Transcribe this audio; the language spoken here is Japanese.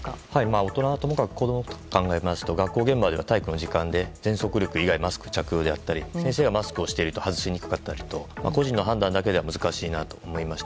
大人はともかく子供のことを考えますと学校、現場では体育の授業で全力疾走以外でマスクをしたり先生がマスクをしていると外しにくかったりと個人の判断だけでは難しいなと思いました。